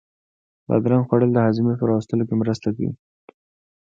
بادرنگ خوړل د هاضمې په را وستلو کې مرسته کوي.